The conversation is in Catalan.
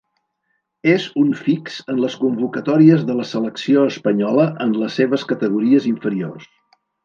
És un fix en les convocatòries de la selecció espanyola en les seves categories inferiors.